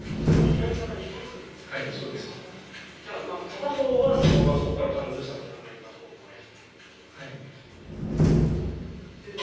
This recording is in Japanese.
片方はそこから貫通したのではないかと思われると。